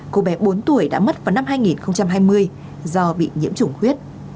cô bé bốn tuổi đã mất vào năm hai nghìn hai mươi do bị nhiễm chủng huyết